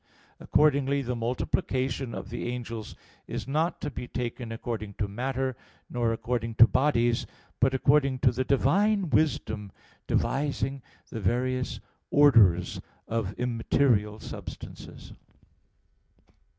1). Accordingly, the multiplication of the angels is not to be taken according to matter, nor according to bodies, but according to the divine wisdom devising the various orders of immaterial substances.